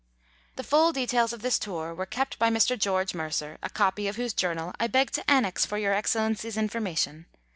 The full del ails of this tour were kept by Mr. George Mercer, a copy of whose journal I beg to annex for Your Excellency's information.